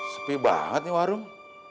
sepi banget nih warung